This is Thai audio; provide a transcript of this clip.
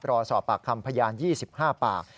รอสอบปากคำพยาน๒๕ปาก